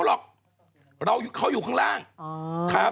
จากธนาคารกรุงเทพฯ